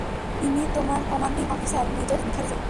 ইনি তোমার commanding officer, major Mukherjee.